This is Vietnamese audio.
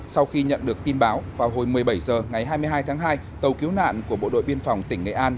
sau khi nhận được tin báo vào hồi một mươi bảy h ngày hai mươi hai tháng hai tàu cứu nạn của bộ đội biên phòng tỉnh nghệ an